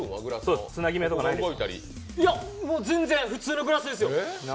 いや、もう全然普通のグラスですよ。